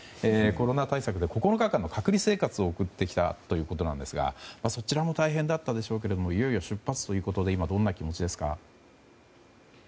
コロナ対策で９日間の隔離生活を送ってきたということなんですがそちらも大変だったでしょうがいよいよ出発ということで今どんな気持ちですか？